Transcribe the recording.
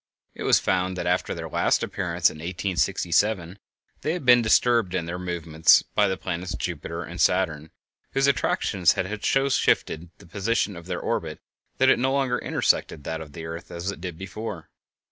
It was found that after their last appearance, in 1867, they had been disturbed in their movements by the planets Jupiter and Saturn, whose attractions had so shifted the position of their orbit that it no longer intersected that of the earth, as it did before.